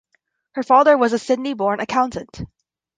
Her father was a Sydney born accountant.